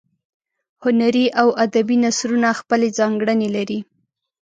هنري او ادبي نثرونه خپلې ځانګړنې لري.